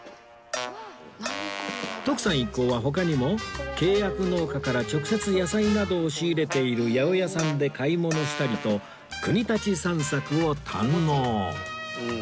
徳さん一行は他にも契約農家から直接野菜などを仕入れている八百屋さんで買い物したりと国立散策を堪能！